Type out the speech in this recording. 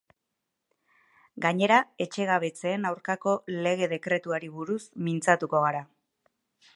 Gainera etxegabetzeen aurkako lege dekretuari buruz mintzatuko gara.